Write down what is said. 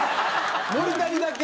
森田にだけ？